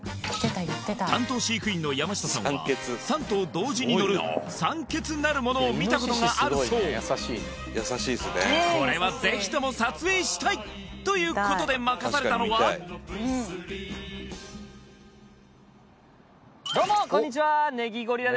担当飼育員の山下さんは３頭同時に乗るサンケツなるものを見たことがあるそうこれは是非とも撮影したいということで任されたのはどうもこんにちはネギゴリラです